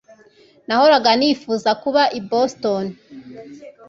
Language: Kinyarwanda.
Nahoraga nifuza kuba i Boston